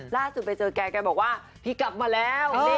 ล่าสุดไปเจอแกแกบอกว่าพี่กลับมาแล้ว